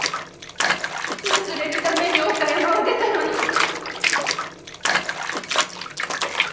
忘れるために岡山を出たのに。